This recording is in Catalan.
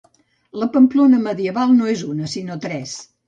La Pamplona medieval no és una, sinó tres.